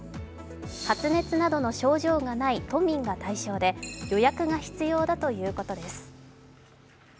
発熱などの症状がない都民が対象で予約が必要だということです。